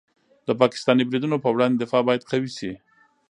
د پاکستاني بریدونو په وړاندې دفاع باید قوي شي.